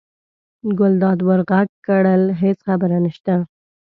ګلداد ور غږ کړل: هېڅ خبره نشته.